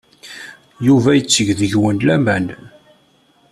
Yuba yetteg deg-wen laman.